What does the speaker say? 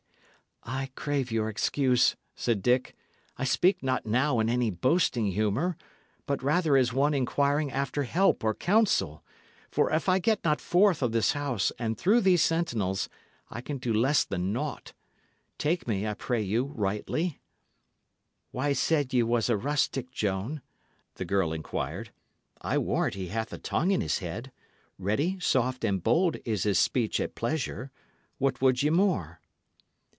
"I crave your excuse," said Dick. "I speak not now in any boasting humour, but rather as one inquiring after help or counsel; for if I get not forth of this house and through these sentinels, I can do less than naught. Take me, I pray you, rightly." "Why said ye he was rustic, Joan?" the girl inquired. "I warrant he hath a tongue in his head; ready, soft, and bold is his speech at pleasure. What would ye more?"